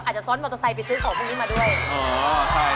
ซ้อนมอเตอร์ไซค์ไปซื้อของพวกนี้มาด้วย